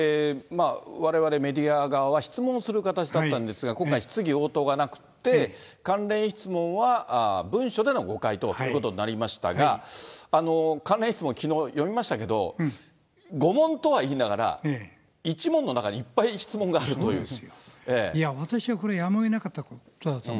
われわれメディア側は質問する形だったんですが、今回、質疑応答がなくって、関連質問は文書でのご回答ということになりましたが、関連質問、きのう読みましたけれども、５問とはいいながら、１問の中にいっいや、私はこれはやむをえなかったことだと思う。